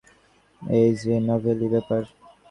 এ যে নভেলি ব্যাপার!